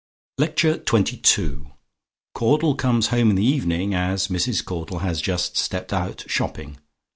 LECTURE XXII CAUDLE COMES HOME IN THE EVENING, AS MRS. CAUDLE HAS "JUST STEPPED OUT, SHOPPING."